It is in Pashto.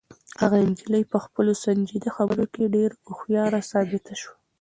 هغه نجلۍ په خپلو سنجیده خبرو کې ډېره هوښیاره ثابته شوه.